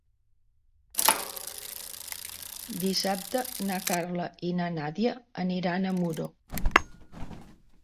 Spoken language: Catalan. Dissabte na Carla i na Nàdia aniran a Muro.